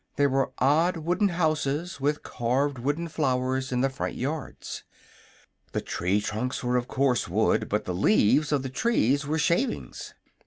There were odd wooden houses, with carved wooden flowers in the front yards. The tree trunks were of coarse wood, but the leaves of the trees were shavings.